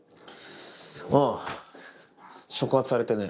うん触発されてね。